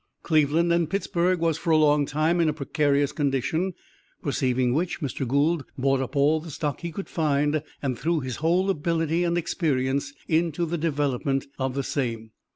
Cleveland & Pittsburg was for a long time in a precarious condition, perceiving which, Mr. Gould bought up all the stock he could find, and threw his whole ability and experience into the development of the same.